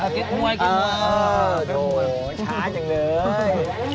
เก๊กหวยเก๊กหวย